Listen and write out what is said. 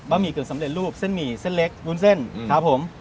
หมี่กึ่งสำเร็จรูปเส้นหมี่เส้นเล็กวุ้นเส้นครับผม